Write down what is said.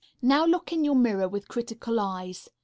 Now look in your mirror with critical eyes.